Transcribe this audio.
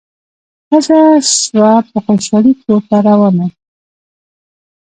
ښځه سوه په خوشالي کورته روانه